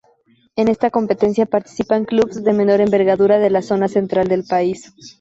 En esta competencia participan clubes de menor envergadura de la zona central del país.